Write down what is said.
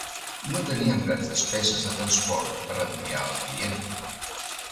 No teníem grans despeses de transport per enviar al client.